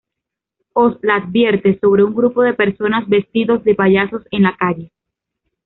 Oz la advierte sobre un grupo de personas vestidos de payasos en la calle.